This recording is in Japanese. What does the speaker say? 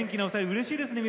うれしいですね。